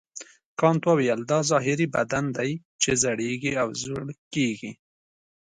کانت وویل دا ظاهري بدن دی چې زړیږي او زوړ کیږي.